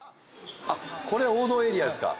これ王道エリアですか？